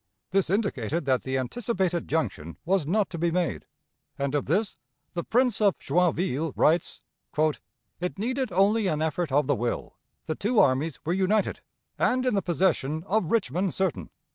This indicated that the anticipated junction was not to be made, and of this the Prince of Joinville writes: "It needed only an effort of the will: the two armies were united, and in the possession of Richmond certain!